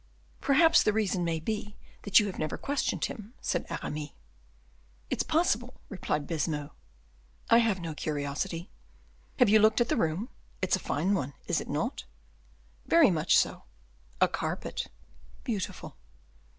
"Perhaps the reason may be that you have never questioned him," said Aramis. "It's possible," replied Baisemeaux; "I have no curiosity. Have you looked at the room? it's a fine one, is it not?" "Very much so." "A carpet " "Beautiful."